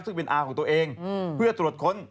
ซึ่งเป็นอาของตัวเองเพื่อตรวจค้น